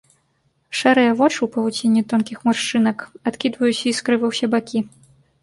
Шэрыя вочы ў павуцінні тонкіх маршчынак адкідваюць іскры ва ўсе бакі.